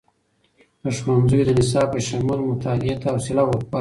د ښوونځیو د نصاب په شمول، مطالعې ته خوصله ورکړئ.